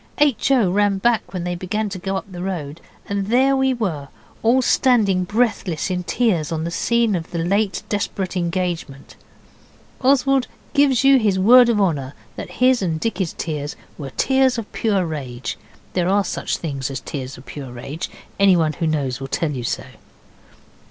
H. O. ran back when they began to go up the road, and there we were, all standing breathless in tears on the scene of the late desperate engagement. Oswald gives you his word of honour that his and Dicky's tears were tears of pure rage. There are such things as tears of pure rage. Anyone who knows will tell you so.